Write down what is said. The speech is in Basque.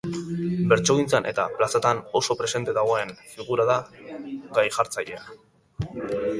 Bertsogintzan eta plazatan oso presente dagoen figura da gai-jartzailea.